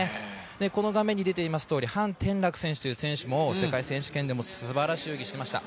この画面に出ていますように潘展樂選手という選手も世界選手権でもすばらしい泳ぎをしていました。